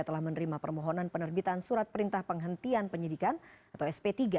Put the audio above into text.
telah menerima permohonan penerbitan surat perintah penghentian penyidikan atau sp tiga